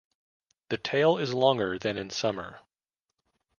The tail is longer than in summer.